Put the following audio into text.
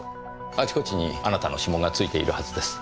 あちこちにあなたの指紋が付いているはずです。